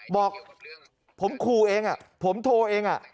บอกผมขู่เองผมโทรเอง